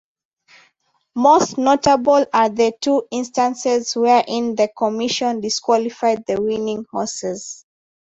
Most notable are the two instances wherein the commission disqualified the winning horses.